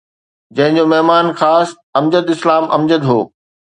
جنهن جو مهمان خاص امجد اسلام امجد هو